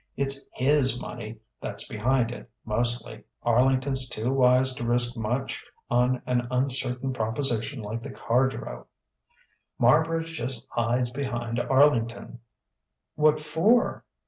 It's his money that's behind it, mostly Arlington's too wise to risk much on an uncertain proposition like the Cardrow. Marbridge just hides behind Arlington." "What for?"